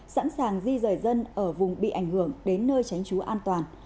sẵn sàng di rời dân ở vùng bị ảnh hưởng đến nơi tránh trú an toàn